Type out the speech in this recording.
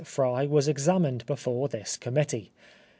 Fry was examined before this committee.